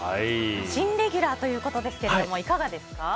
新レギュラーということですがいかがですか？